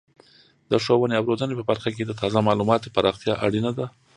د ښوونې او روزنې په برخه کې د تازه معلوماتو پراختیا اړینه ده.